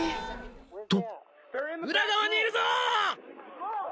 ［と］